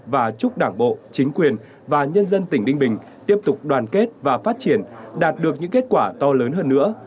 và chúc đảng bộ chính quyền và nhân dân tỉnh đinh bình tiếp tục đoàn kết và phát triển đạt được những kết quả to lớn hơn nữa